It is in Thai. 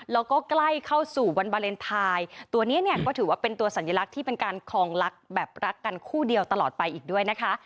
แล้วก็ใกล้เข้าสู่วันวาเลนไทยตัวนี้เนี่ยก็ถือว่าเป็นตัวสัญลักษณ์ที่เป็นการคลองรักแบบรักกันคู่เดียวตลอดไปอีกด้วยนะคะ